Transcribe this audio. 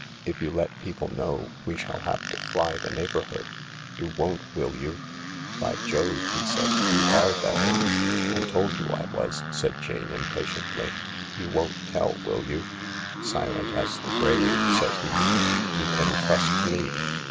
If you let people know, we shall have to fly the neighbourhood. You won't, will you ?" "By Jove," he said, "you are better?" " I told you I was/' said Jane impatiently, " You won't tell, will you ?"" Silent as the grave," said he. " You can trust me.